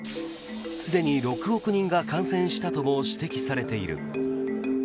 すでに６億人が感染したとも指摘されている。